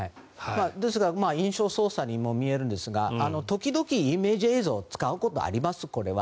ですが印象操作にも見えるんですが時々、イメージ映像を使うことはあります、これは。